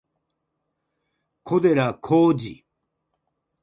小寺浩二